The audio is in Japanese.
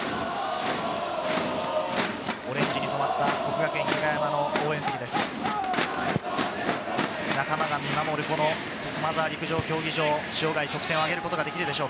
オレンジに染まった國學院久我山の応援席です。